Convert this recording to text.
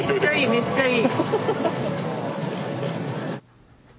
めっちゃいい。